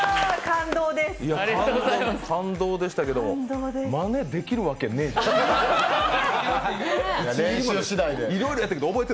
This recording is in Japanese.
感動でしたけど、まねできるわけねえ。